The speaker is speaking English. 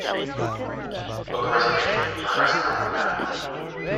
Book a reservation for a restaurant now